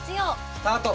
スタート！